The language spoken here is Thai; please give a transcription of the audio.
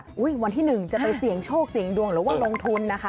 อาจจะแบบว่าวันที่หนึ่งจะไปเสียงโชคเสียงดวงหรือว่าลงทุนนะคะ